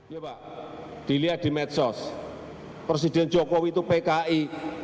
ya pak dilihat di medsos presiden jokowi itu pki